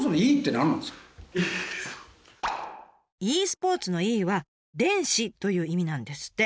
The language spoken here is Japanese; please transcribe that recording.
「ｅ」スポーツの「ｅ」は「電子」という意味なんですって！